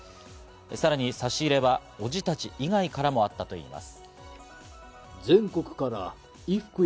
さらに差し入れは伯父たち以外からもあったといいます。